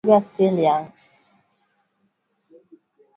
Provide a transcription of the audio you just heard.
Atuta wezaka ata shiku moya kurima pashipo jembe